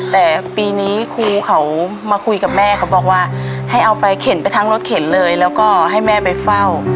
แต่ปีนี้ครูเขามาคุยกับแม่เขาบอกว่าให้เอาไปเข็นไปทั้งรถเข็นเลยแล้วก็ให้แม่ไปเฝ้า